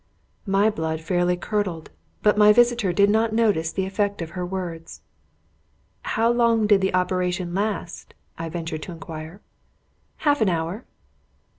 My blood fairly curdled; but my visitor did not notice the effect of her words. "How long did the operation last?" I ventured to inquire. "Half an hour."